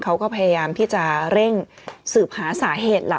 เขาก็พยายามที่จะเร่งสืบหาสาเหตุหลัก